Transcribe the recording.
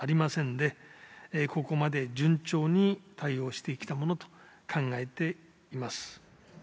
で、ここまで順調に対応してきたものと考えています。